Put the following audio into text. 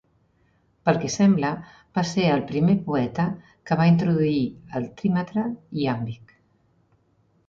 Pel que sembla, va ser el primer poeta que va introduir el trímetre iàmbic.